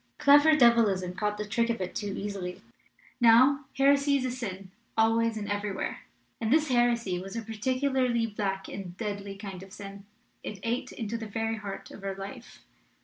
Clever devilism caught the trick of it too easily. Now, heresy is sin always and every where; and this heresy was a particularly black and deadly kind of sin. It ate into the very heart of our life.